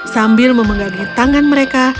sambil memegangi tangan mereka